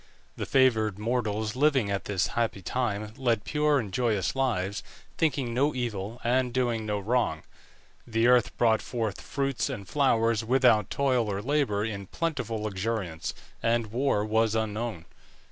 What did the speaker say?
The favoured mortals living at this happy time led pure and joyous lives, thinking no evil, and doing no wrong. The earth brought forth fruits and flowers without toil or labour in plentiful luxuriance, and war was unknown.